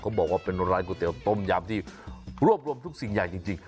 บอกว่าเป็นร้านก๋วยเตี๋ยต้มยำที่รวบรวมทุกสิ่งอย่างจริง